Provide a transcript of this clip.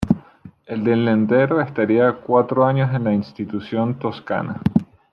El delantero estaría cuatro años en la institución toscana.